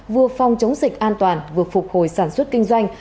vừa phòng chống dịch an toàn vừa phục hồi sản xuất kinh doanh